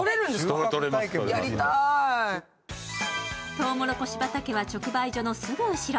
とうもろこし畑は直売所のすぐ後ろ。